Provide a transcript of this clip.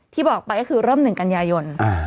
ที่บอกไปก็คือเริ่มหนึ่งกันยายน